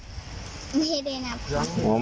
ไม่ได้นับค่ะ